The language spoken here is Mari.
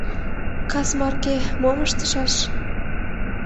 Кас марке мом ыштышаш?